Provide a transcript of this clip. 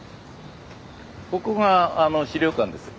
ここが資料館です。